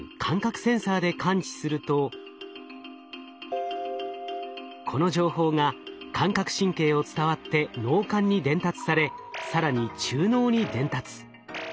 センサーで感知するとこの情報が感覚神経を伝わって脳幹に伝達され更に中脳に伝達。